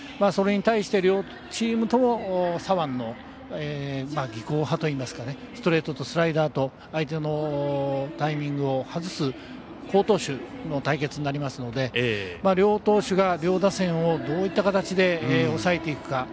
それに対して両チームとも左腕の技巧派といいますかストレートとスライダーと相手のタイミングを外す好投手の対決になりますので両投手が両打線をどういった形で抑えていくか。